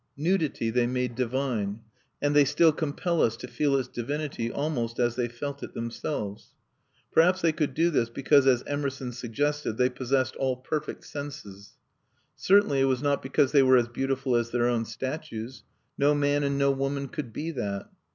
Nudity, they made divine; and they still compel us to feel its divinity almost as they felt it themselves. Perhaps they could do this because, as Emerson suggested, they possessed all perfect senses. Certainly it was not because they were as beautiful as their own statues. No man and no woman could be that.